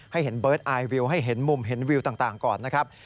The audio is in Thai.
ให้เห็นเบิร์ตอายวิวให้เห็นมุมเห็นวิวต่างก่อนนะครับ